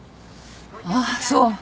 ああそう。